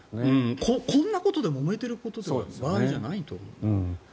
こんなことでもめてる場合じゃないと思う。